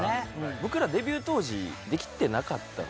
僕らデビュー当時できてなかったので。